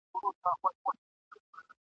پاکه خاوره وژغوره!